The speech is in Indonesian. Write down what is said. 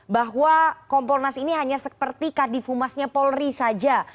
bahwa kompolnas ini hanya seperti kardifumasnya polri saja